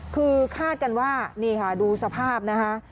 คือคาดกันว่านี่ค่ะดูสภาพนะคะ